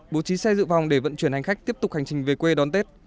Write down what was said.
bố trí xe dự phòng để vận chuyển hành khách tiếp tục hành trình về quê đón tết